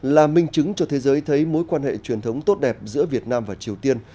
là minh chứng cho thế giới thấy mối quan hệ truyền thống tốt đẹp giữa việt nam và triều tiên